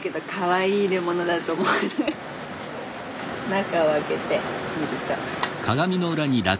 中を開けてみると。